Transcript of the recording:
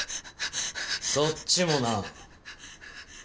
そっちもな。